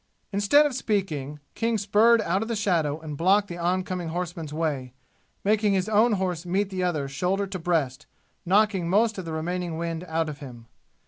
Instead of speaking, King spurred out of the shadow and blocked the oncoming horseman's way, making his own horse meet the other shoulder to breast, knocking most of the remaining wind out of him.